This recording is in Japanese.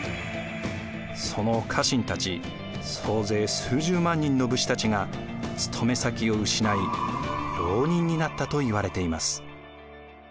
その家臣たち総勢数十万人の武士たちが勤め先を失い牢人になったといわれています。